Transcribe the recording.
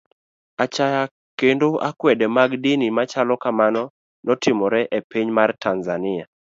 Achaya kendo akwede mag dini machalo kamano notimore e piny mar Tanzania.